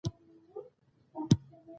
دا د برېټانیا د بنسټونو د خوځېدو نتیجه وه.